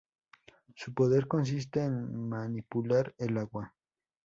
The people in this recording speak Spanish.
Su poder consiste en manipular el agua.